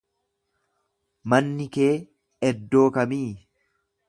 Manni kee eddoo kamii?